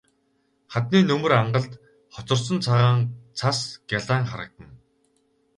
Хадны нөмөр ангалд хоцорсон цагаан цас гялайн харагдана.